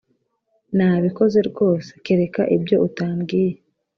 Nabikoze rwose kereka ibyo utambwiye